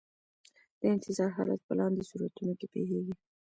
د انتظار حالت په لاندې صورتونو کې پیښیږي.